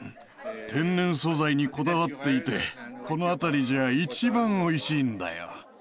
天然素材にこだわっていてこの辺りじゃ一番おいしいんだよ。